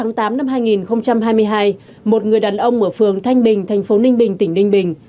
ngày hai mươi một tháng tám năm hai nghìn hai mươi hai một người đàn ông ở phường thanh bình thành phố ninh bình tỉnh ninh bình